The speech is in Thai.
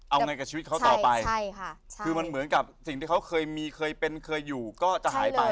เอาไงกับชีวิตเขาต่อไปใช่ค่ะใช่คือมันเหมือนกับสิ่งที่เขาเคยมีเคยเป็นเคยอยู่ก็จะหายไป